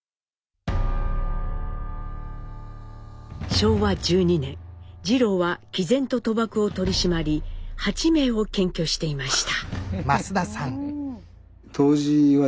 昭和１２年次郎はきぜんと賭博を取り締まり８名を検挙していました。